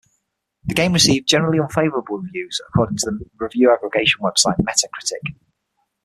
The game received "generally unfavorable reviews" according to the review aggregation website Metacritic.